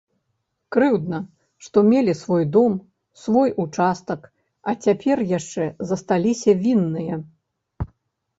Крыўдна, што мелі свой дом, свой участак, а цяпер яшчэ засталіся вінныя!